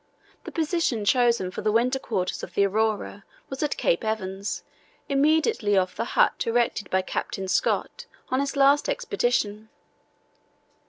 The position chosen for the winter quarters of the Aurora was at Cape Evans, immediately off the hut erected by Captain Scott on his last Expedition.